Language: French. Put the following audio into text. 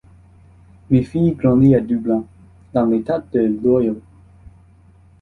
Murphy grandit à Dublin, dans l'État de l'Ohio.